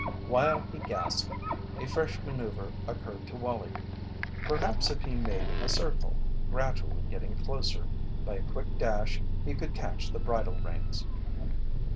While he gasped, a fresh manoeuvre occurred to Wallie. Perhaps if he made a circle, gradually getting closer, by a quick dash he could catch the bridle reins.